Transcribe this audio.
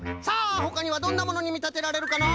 ほかにはどんなものにみたてられるかなあ？